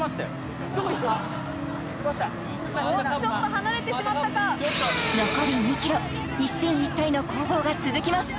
ちょっと離れてしまったか残り２ｋｍ一進一退の攻防が続きます